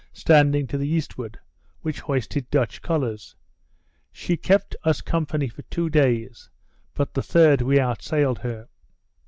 standing to the eastward, which hoisted Dutch colours. She kept us company for two days, but the third we outsailed her.